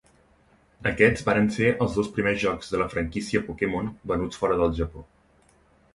Aquests varen ser els dos primers jocs de la franquícia Pokémon venuts fora del Japó.